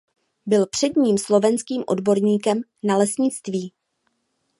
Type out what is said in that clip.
Byl předním slovenským odborníkem na lesnictví.